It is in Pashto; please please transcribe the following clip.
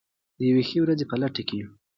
د یوې ښې ورځې په لټه کې یو.